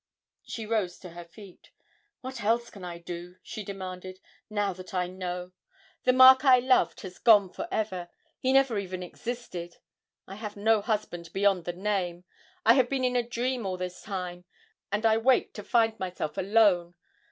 She rose to her feet. 'What else can I do,' she demanded, 'now that I know? The Mark I loved has gone for ever he never even existed! I have no husband beyond the name. I have been in a dream all this time, and I wake to find myself alone!